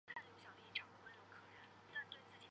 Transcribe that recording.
林文雄继续参选省议员并获得连任。